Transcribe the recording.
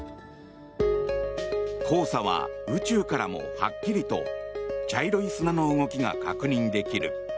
黄砂は宇宙からもはっきりと茶色い砂の動きが確認できる。